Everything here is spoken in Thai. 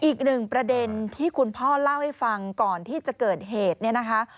อีกหนึ่งประเด็นที่คุณพ่อเล่าให้ฟังก่อนที่จะเกิดเหตุเนี่ยนะคะ